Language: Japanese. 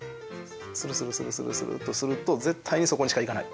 スルスルスルスルスルっとすると絶対にそこにしか行かない。